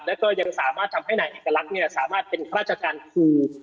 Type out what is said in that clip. แล้วก็ยังสามารถทำให้นายเอกลักษณ์สามารถเป็นราชการครู